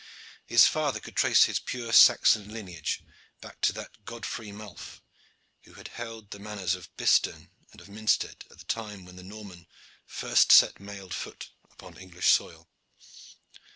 His father could trace his pure Saxon lineage back to that Godfrey Malf who had held the manors of Bisterne and of Minstead at the time when the Norman first set mailed foot upon English soil.